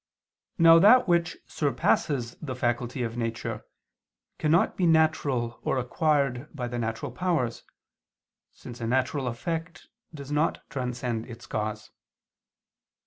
Now that which surpasses the faculty of nature, cannot be natural or acquired by the natural powers, since a natural effect does not transcend its cause.